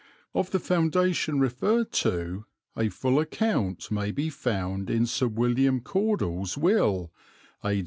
Of the foundation referred to a full account may be found in Sir William Cordell's will (A.